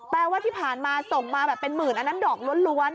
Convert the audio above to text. แปลว่าที่ผ่านมาส่งมาเป็น๑๐๐๐๐บาทอันนั้นดอกล้น